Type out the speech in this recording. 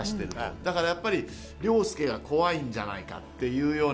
だから凌介が怖いんじゃないかっていうような。